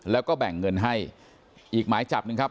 แล้วก็แบ่งเงินให้อีกหมายจับหนึ่งครับ